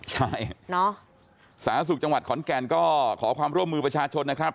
ใช่สาธารณสุขจังหวัดขอนแก่นก็ขอความร่วมมือประชาชนนะครับ